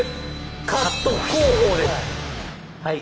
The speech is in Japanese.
はい。